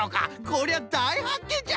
こりゃだいはっけんじゃ！